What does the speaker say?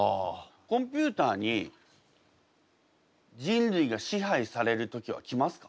コンピューターに人類が支配される時は来ますか？